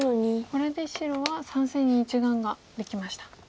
これで白は３線に１眼ができました。